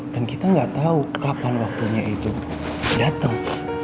dan kita gak tau kapan waktunya itu dateng